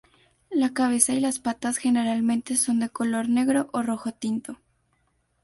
La cabeza y las patas generalmente son de color negro o rojo tinto.